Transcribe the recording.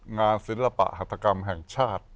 งานศิลปะหัตกรรมแห่งชาติ